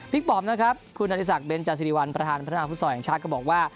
พลิกปอมนะครับคุณธนิสักเบนจาซิริวัลประธานพัฒนาฟุตสอร์อย่างชาติก็บอกว่า